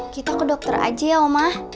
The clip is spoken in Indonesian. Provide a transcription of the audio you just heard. kita ke dokter aja ya oma